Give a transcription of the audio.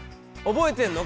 覚えてんの？